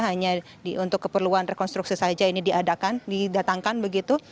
hanya untuk keperluan rekonstruksi saja ini diadakan didatangkan begitu